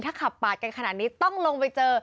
ถ้าขับปาดกันขนาดนี้ต้องลงไปเจอ